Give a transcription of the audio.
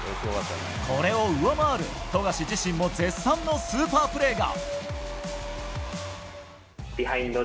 これを上回る、富樫自身も絶賛のスーパープレーが。